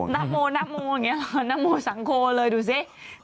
นโมนโมอย่างนี้หรอนโมสังโคเลยดูสิ